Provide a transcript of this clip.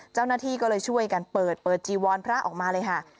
เจ้าหน้าที่ก็เลยช่วยกันเปิดเปิดจีวรพระออกมาเลยค่ะ